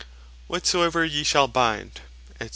"Whatsoever yee shall bind, &c."